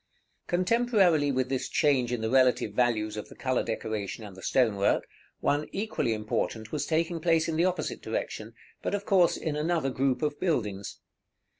§ XXXVI. Contemporarily with this change in the relative values of the color decoration and the stone work, one equally important was taking place in the opposite direction, but of course in another group of buildings.